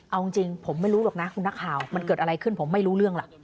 เอาจริงผมไม่รู้หรอกนะคุณนักข่าวมันเกิดอะไรขึ้นผมไม่รู้เรื่องล่ะ